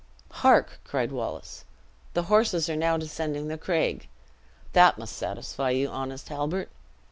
"Hark!" cried Wallace, "the horses are now descending the craig. That must satisfy you, honest Halbert."